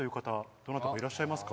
どなたかいらっしゃいますか？